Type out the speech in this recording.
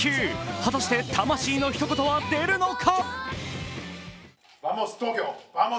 果たして魂のひと言は出るのか。